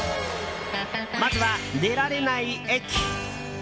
まずは、出られない駅。